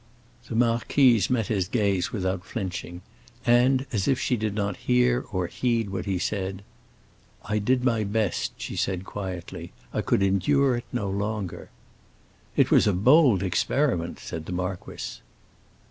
The marquise met his gaze without flinching, and as if she did not hear or heed what he said. "I did my best," she said, quietly. "I could endure it no longer." "It was a bold experiment!" said the marquis.